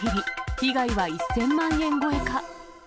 被害は１０００万円超えか。